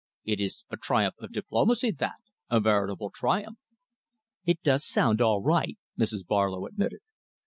It is a triumph of diplomacy, that a veritable triumph." "It does sound all right," Mrs. Barlow admitted.